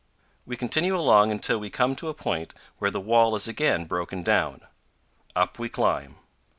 We continue along until we come to a point where the wall is again broken down. Up we climb.